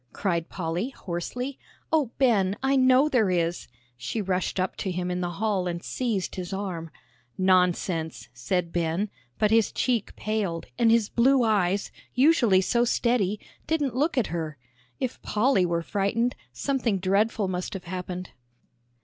cried Polly, hoarsely. "Oh, Ben, I know there is!" She rushed up to him in the hall and seized his arm. "Nonsense!" said Ben, but his cheek paled, and his blue eyes, usually so steady, didn't look at her. If Polly were frightened, something dreadful must have happened.